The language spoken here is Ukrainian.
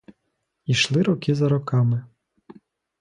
Ішли роки за роками.